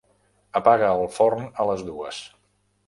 Apaga el forn a les dues.